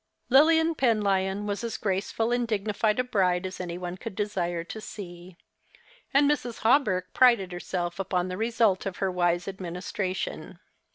Lilian Penlyon was as graceful and dignified a bride as any one could desire to see ; and Mrs. Hawberk prided herself upon the result of her wise administration.